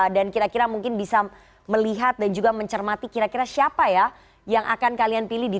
dan kira kira mungkin bisa melihat dan juga mencermati kira kira siapa ya yang akan kalian pilih di